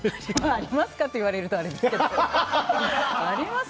ありますかって言われるとあれですけどね。